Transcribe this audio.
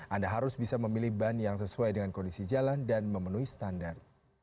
anda harus bisa memilih ban yang sesuai dengan kondisi jalan dan memenuhi standar